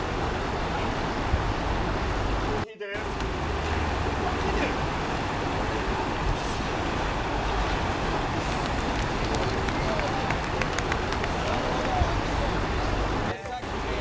お待たせしましたコーヒーです。